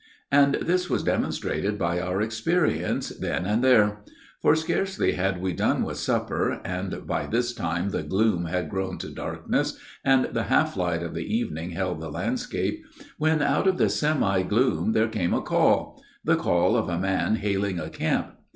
And this was demonstrated by our experience then and there. For, scarcely had we done with supper, and by this time the gloom had grown to darkness, and the half light of evening held the landscape, when out of the semi gloom there came a call, the call of a man hailing a camp.